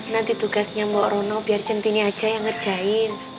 nanti tugasnya mbok rono biar centini aja yang ngerjain